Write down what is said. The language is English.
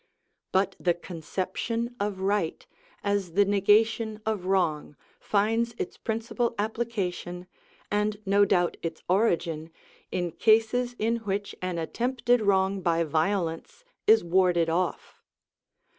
But the conception of right as the negation of wrong finds its principal application, and no doubt its origin, in cases in which an attempted wrong by violence is warded off.